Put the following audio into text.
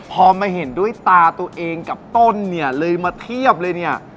พอมาเห็นด้วยตาตัวเองกับต้นเนี่ยเลยมาเทียบเลยเนี่ย